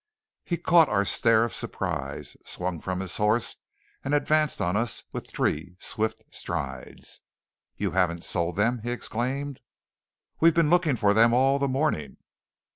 He caught our stare of surprise, swung from his horse and advanced on us with three swift strides. "You haven't sold them?" he exclaimed. "We've been looking for them all the morning."